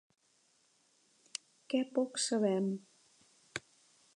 Què poc sabem!